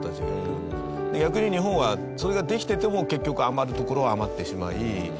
逆に日本はそれができていても結局余る所は余ってしまい。